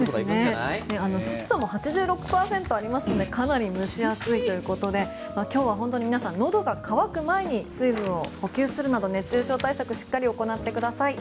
湿度も８６％あるということでかなり蒸し暑いということで今日は皆さんのどが渇く前に水分を補給するなど熱中症対策を行ってください。